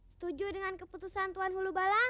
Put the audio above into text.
setuju dengan keputusan tuhan hulu balang